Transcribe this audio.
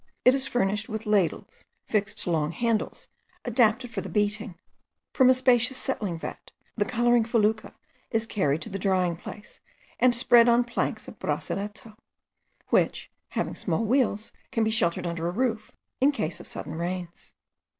It is furnished with ladles, fixed to long handles, adapted for the beating. From a spacious settling vat, the colouring fecula is carried to the drying place, and spread on planks of brasiletto, which, having small wheels, can be sheltered under a roof in case of sudden rains.